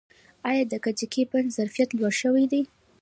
آیا د کجکي بند ظرفیت لوړ شوی دی؟